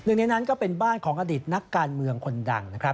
๑ในนั้นก็เป็นบ้านของอดิษฐ์นักการเมืองคนดัง